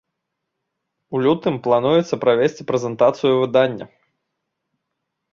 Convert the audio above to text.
У лютым плануецца правесці прэзентацыю выдання.